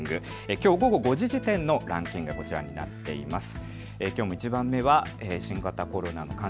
きょう午後５時時点のランキング、こちらになっています。